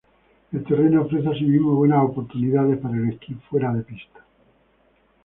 El terreno ofrece asimismo buenas oportunidades para el esquí fuera de pista.